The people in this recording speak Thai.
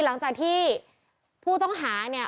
หลังจากที่ผู้ต้องหา